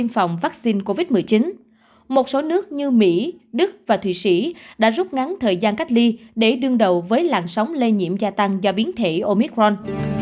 một số nước như mỹ đức và thụy sĩ đã rút ngắn thời gian cách ly để đương đầu với làn sóng lây nhiễm gia tăng do biến thể omicron